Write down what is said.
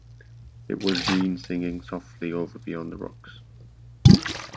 It was Jeanne singing softly over beyond the rocks.